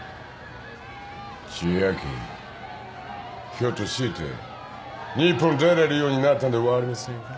ひょっとして日本出れるようになったんではありませんか？